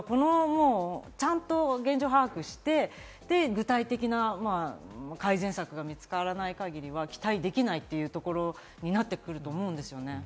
ちゃんと現状把握をして具体的な改善策が見つからない限りは期待できないっていうところになってくると思うんですよね。